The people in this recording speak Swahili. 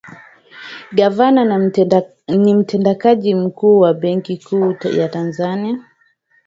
gavana ni mtendaji mkuu wa benki kuu ya tanzania